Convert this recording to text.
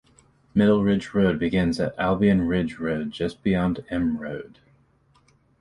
Middle Ridge road begins at Albion Ridge Road just beyond M Road.